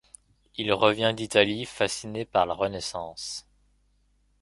Il revient d'Italie fasciné par la Renaissance.